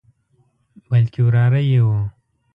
بلکې وراره یې وو.